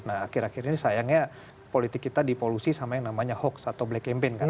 nah akhir akhir ini sayangnya politik kita dipolusi sama yang namanya hoax atau black campaign kan